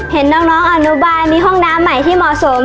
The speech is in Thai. เห็นน้องอนุบาลมีห้องน้ำใหม่ที่เหมาะสม